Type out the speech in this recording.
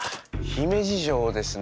姫路城ですね。